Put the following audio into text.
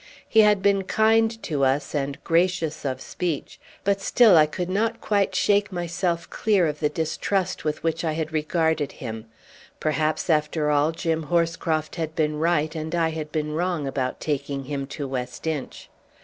He had been kind to us, and gracious of speech, but still I could not quite shake myself clear of the distrust with which I had regarded him. Perhaps, after all, Jim Horscroft had been right and I had been wrong about taking him to West Inch.